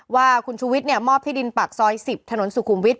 ว่าคุณชูวิทย์มอบที่ดินปากซอย๑๐ถนนสุขุมวิทย